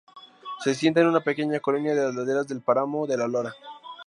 Se asienta en una pequeña colina de las laderas del páramo de La Lora.